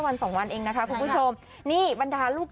วันสองวันเองนะคะคุณผู้ชมนี่บรรดาลูก